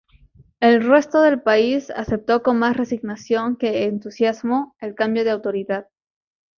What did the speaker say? El resto del país aceptó con más resignación que entusiasmo el cambio de autoridad.